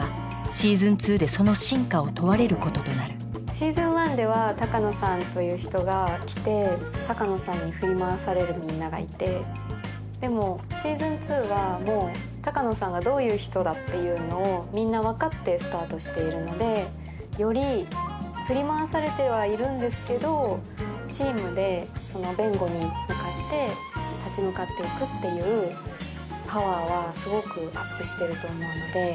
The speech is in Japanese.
「Ｓｅａｓｏｎ１」では鷹野さんという人が来て鷹野さんに振り回されるみんながいてでも「Ｓｅａｓｏｎ２」はもう鷹野さんがどういう人だっていうのをみんな分かってスタートしているのでより振り回されてはいるんですけどチームでその弁護に向かって立ち向かっていくっていうパワーはすごくアップしてると思うので。